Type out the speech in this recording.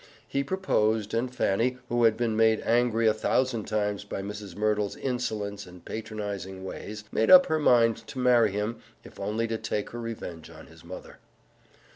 He proposed, and Fanny, who had been made angry a thousand times by Mrs. Merdle's insolence and patronizing ways, made up her mind to marry him if only to take her revenge on his mother.